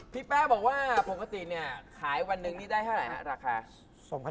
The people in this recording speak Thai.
พี่แป๊บอกว่าปกติเนี่ยขายวันหนึ่งนี่ได้เท่าไหร่ฮะราคา